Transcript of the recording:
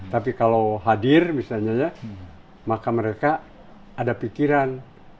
tapi kalau hadir misalnya ya maka mereka ada pikiran